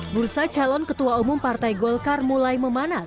bursa calon ketua umum partai golkar mulai memanas